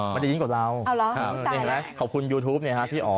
มันยิ้มกับเราขอบคุณยูทูปพี่อ๋อ